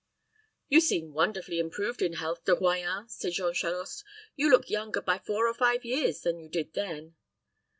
"You seem wonderfully improved in health, De Royans," said Jean Charost. "You look younger by four or five years than you did then."